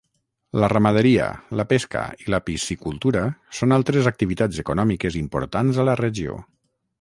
La ramaderia, la pesca i la piscicultura són altres activitats econòmiques importants a la regió.